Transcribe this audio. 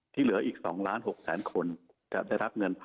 ที่เหลืออีก๒ล้าน๖๐๐คนจะได้รับเงิน